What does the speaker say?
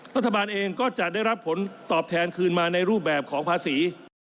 รัฐบาลเองก็จะได้รับผลตอบแทนคืนมาในรูปแบบของภาษี